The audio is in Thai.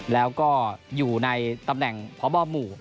แล้วก็อยู่ในตำแหน่งพบหมู่